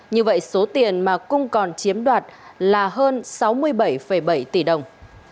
như vậy số tiền mà cung còn chiếm đoạt là hơn sáu mươi bảy bảy tỷ đồng